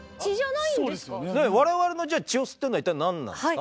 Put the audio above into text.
我々の血を吸ってるのは一体何なんですか？